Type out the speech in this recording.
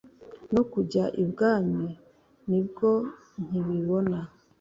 no kujya ibwami ni bwo nkibibona.